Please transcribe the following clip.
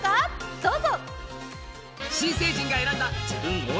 どうぞ！